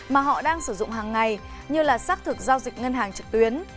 mà họ đang sử dụng hàng ngày như là xác thực giao dịch ngân hàng trực tuyến